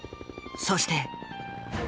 そして。